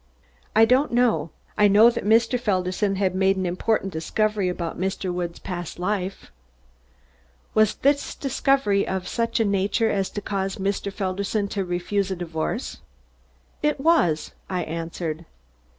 "I don't know. I know that Mr. Felderson had made an important discovery about Mr. Woods' past life." "Was this discovery of such a nature as to cause Mr. Felderson to refuse a divorce?" "It was!" I answered.